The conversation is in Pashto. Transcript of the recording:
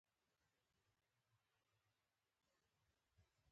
دا توری پخپله ځوان محققین ګمراه کوي.